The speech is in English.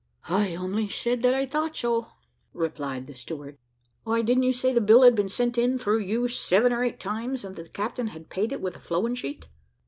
"I only said that I thought so," replied the steward. "Why, didn't you say that the bill had been sent in, through you, seven or eight times, and that the captain had paid it with a flowing sheet?"